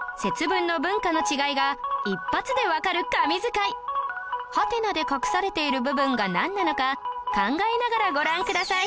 という事でハテナで隠されている部分がなんなのか考えながらご覧ください